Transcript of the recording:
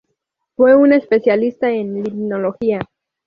Fue un especialista en limnología.